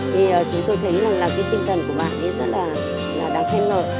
thì chúng tôi thấy là cái tinh thần của bạn ấy rất là đáng khen ngợi